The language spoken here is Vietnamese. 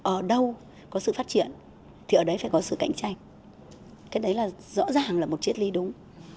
ở đâu có sự phát triển thì ở đấy phải có sự cạnh tranh cái đấy là rõ ràng là một triết lý đúng